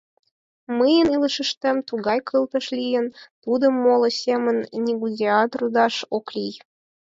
Мыйын илышыштем тугай кылдыш лийын, тудым моло семын нигузеат рудаш ок лий.